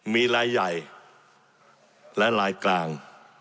มีรายใหญ่และลายกลาง